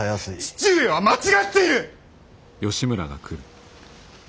父上は間違っている！